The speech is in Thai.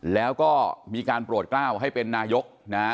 แล้วก็มีการปรวดก้าวให้เป็นนายก